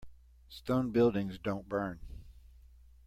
Stone buildings don't burn.